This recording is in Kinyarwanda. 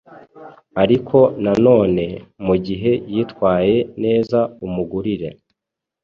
ariko nanone mu gihe yitwaye neza umugurire